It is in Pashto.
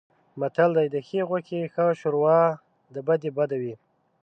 متل دی: د ښې غوښې ښه شوروا د بدې بده وي.